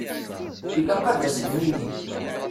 Ilaq ad sen-nini.